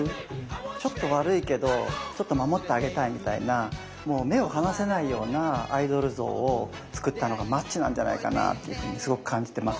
ちょっと悪いけどちょっと守ってあげたいみたいなもう目を離せないようなアイドル像を作ったのがマッチなんじゃないかなっていうふうにすごく感じてます。